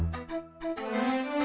gak aku apa apain kok